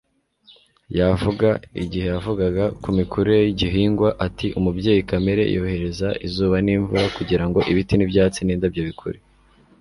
Yavuga, igihe yavugaga ku mikurire y'igihingwa, ati: "Umubyeyi Kamere yohereza izuba n'imvura kugirango ibiti n'ibyatsi n'indabyo bikure."